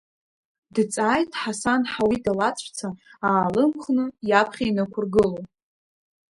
Дҵааит Ҳасан Ҳауида лаҵәца аалымхны, иаԥхьа инықәыргыло.